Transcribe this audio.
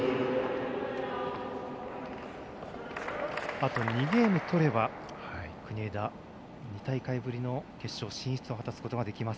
あと２ゲームとれば国枝、２大会ぶりの決勝進出を果たすことができます。